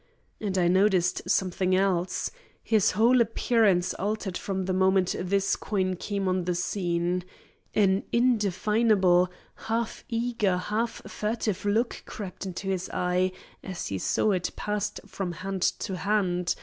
"And I noticed something else. His whole appearance altered from the moment this coin came on the scene. An indefinable half eager, half furtive look crept into his eye as he saw it passed from hand to hand.